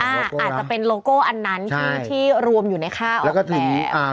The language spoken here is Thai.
อาจจะเป็นโลโก้อันนั้นที่รวมอยู่ในค่าออกแบบ